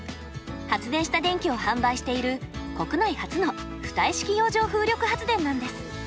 発電した電気を販売している国内初の浮体式洋上風力発電なんです。